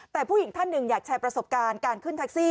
แต่ผู้หญิงท่านหนึ่งอยากแชร์ประสบการณ์การขึ้นแท็กซี่